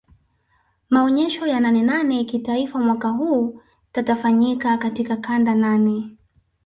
Maonyesho ya nane nane kitaifa mwaka huu tatafanyika katika kanda nane